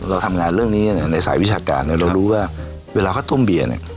เราทำงานเรื่องนี้ในสายวิชาการเนี่ยเรารู้ว่าเวลาเขาต้มเบียร์เนี่ย